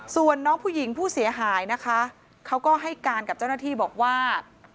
ส่วนน้องผู้หญิงผู้เสียหายนะคะเขาก็ให้การกับเจ้าหน้าที่บอกว่า